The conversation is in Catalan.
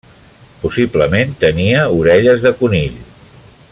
Possiblement tenia orelles de conill.